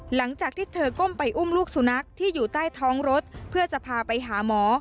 หลังจากที่เธอก้มไปอุ้มลูกสุนัขที่อยู่ใต้ท้องรถเพื่อจะพาไปหาหมอ